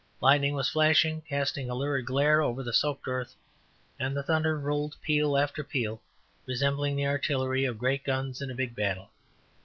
Lightning was flashing, casting a lurid glare over the soaked earth, and the thunder rolled peal after peal, resembling the artillery of great guns in a big battle.